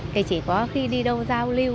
thì chỉ có khi đi đâu giao lưu